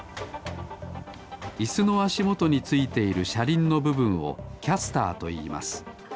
イスのあしもとについているしゃりんのぶぶんをキャスターといいます。